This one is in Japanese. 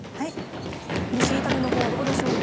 蒸し炒めのほうはどうでしょうか？